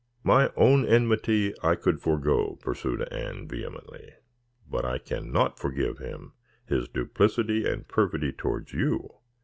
"My own enmity I could forego," pursued Anne vehemently, "but I cannot forgive him his duplicity and perfidy towards you.